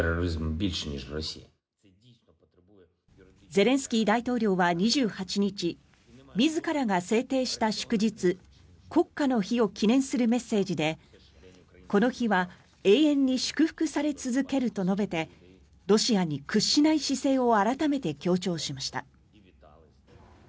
ゼレンスキー大統領は２８日自らが制定した祝日、国家の日を記念するメッセージでこの日は永遠に祝福され続けると述べてロシアに屈しない姿勢を改めて強調しました。